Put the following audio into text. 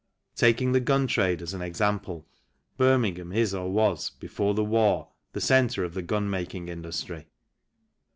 Taking the gun trade as an example, Birmingham is or was, before the war, the centre of the gun making industry.